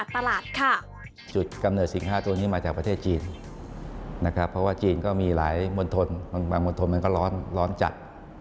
เพราะว่าจีนก็มีหลายมนตรมนตรมันก็ร้อนร้อนจัด